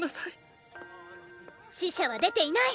死者は出ていない！